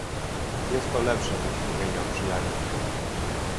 Jest to lepsze niż mówienie o przyjaźni